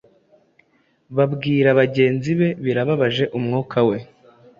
Abwira bagenzi bebirababaje umwuka we